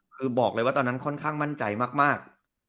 คือบอกเลยว่าตอนนั้นค่อนข้างมั่นใจมาก